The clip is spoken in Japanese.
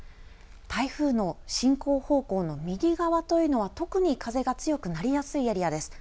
台風の進行方向の右側というのは、特に風が強くなりやすいエリアです。